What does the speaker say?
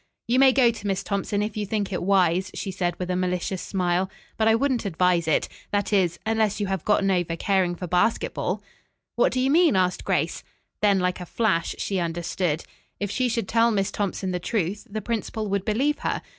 "You may go to Miss Thompson if you think it wise," she said with a malicious smile, "but I wouldn't advise it that is, unless you have gotten over caring for basketball." "What do you mean?" asked Grace. Then like a flash she understood. If she should tell Miss Thompson the truth, the principal would believe her.